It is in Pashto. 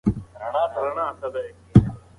هغه په خوب کې بیا خپل زاړه کور ته تللې وه.